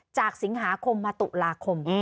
จากสิงหาคมมาตุลาคม